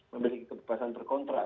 memiliki kebebasan terkontrak